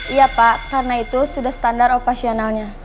iya pak karena itu sudah standar operasionalnya